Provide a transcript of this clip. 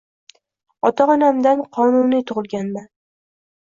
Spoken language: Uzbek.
Ota-onamdan qonuniy tugʻilganman.